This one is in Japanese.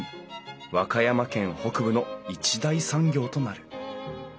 和歌山県北部の一大産業となる。